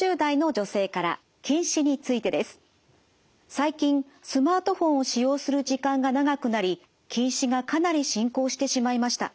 最近スマートフォンを使用する時間が長くなり近視がかなり進行してしまいました。